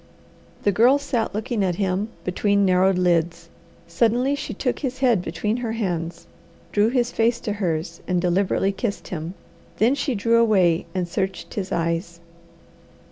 The Girl sat looking at him between narrowed lids. Suddenly she took his head between her hands, drew his face to hers and deliberately kissed him. Then she drew away and searched his eyes.